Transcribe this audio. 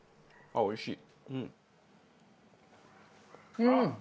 あっおいしい！